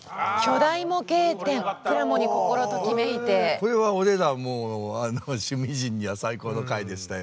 これは俺らもう趣味人には最高の回でしたよ。